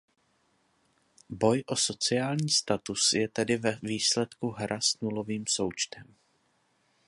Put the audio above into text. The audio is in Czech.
Boj o sociální status je tedy ve výsledku hra s nulovým součtem.